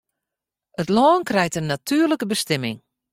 It lân krijt in natuerlike bestimming.